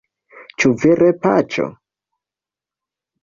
Ĉu vere, Paĉo?